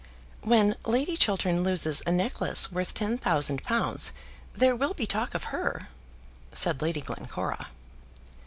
"When Lady Chiltern loses a necklace worth ten thousand pounds there will be talk of her," said Lady Glencora.